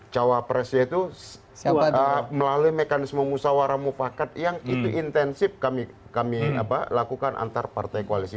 cawapresnya itu melalui mekanisme musawarah mufakat yang itu intensif kami lakukan antar partai koalisi